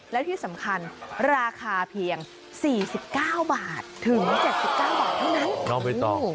แล้วที่สำคัญราคาเพียงสี่สิบเก้าบาทถึงเมื่อเจ็บสิบเก้าบาทเท่านั้น